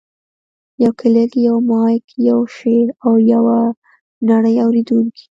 یو کلیک، یو مایک، یو شعر، او یوه نړۍ اورېدونکي.